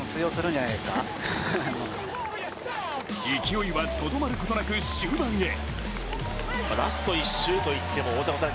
勢いはとどまることなく終盤へ。